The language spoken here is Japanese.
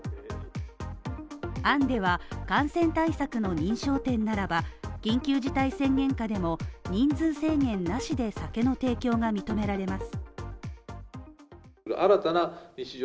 案では、感染対策の認証店ならば、緊急事態宣言下でも人数制限なしで酒の提供が認められます。